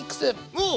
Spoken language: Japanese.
おお！